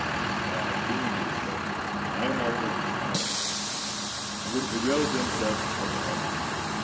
My opinion is that nine out of ten would awail themselves of the offer.